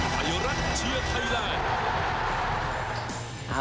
บาปฐานพื่อคือฝึกเวราว์